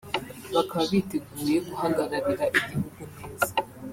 bakaba biteguye guhagararira igihugu neza